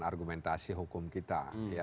argumentasi hukum kita